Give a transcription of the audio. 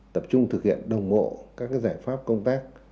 tập trung thực hiện đồng bộ các giải pháp công tác